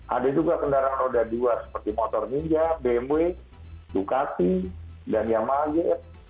ada juga kendaraan roda dua seperti motor ninja bmw ducati dan yamaha gs